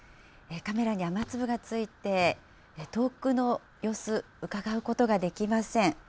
カメラに雨粒がついて、遠くの様子、うかがうことができません。